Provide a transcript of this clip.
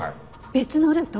別のルート？